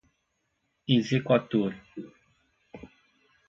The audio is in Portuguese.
exequatur